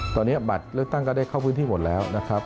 ตอนนี้บัตรเลือกตั้งก็ได้เข้าพื้นที่หมดแล้วนะครับ